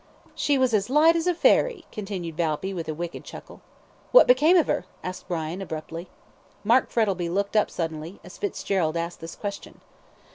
"She was as light as a fairy," continued Valpy, with wicked chuckle. "What became of her?" asked Brian, abruptly. Mark Frettlby looked up suddenly, as Fitzgerald asked this question.